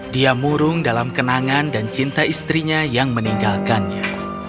dia murung dalam kenangan dan cinta istrinya yang meninggalkannya